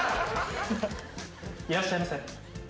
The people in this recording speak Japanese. いらっしゃいませ。